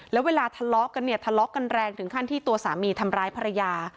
แล้วเวลาทะเลาะกันเนี่ยทะเลาะกันแรงถึงขั้นที่ตัวสามีทำร้ายภรรยา